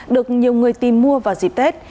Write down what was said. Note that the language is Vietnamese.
được nhiều người tìm mua vào dịp tết